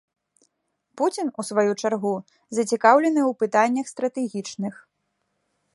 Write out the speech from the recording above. Пуцін, у сваю чаргу, зацікаўлены ў пытаннях стратэгічных.